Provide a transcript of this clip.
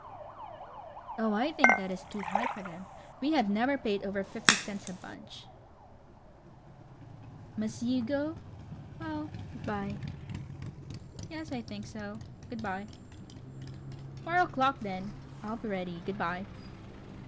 Oh, I think that is too high for them; we have never paid over fifty cents a bunch. Pause. _Must _you go? Well, good by. Pause. Yes, I think so. good by. Pause. Four o'clock, then I'll be ready. good by. Pause.